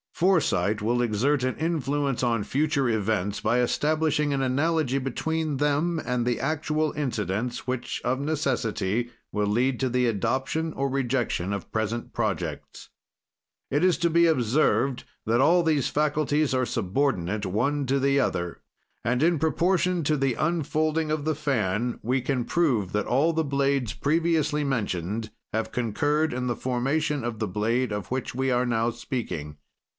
"Foresight will exert an influence on future events by establishing an analogy between them and the actual incidents which, of necessity, will lead to the adoption or rejection of present projects. "It is to be observed that all these faculties are subordinate, one to the other, and, in proportion to the unfolding of the fan, we can prove that all the blades previously mentioned have concurred in the formation of the blade of which we are now speaking.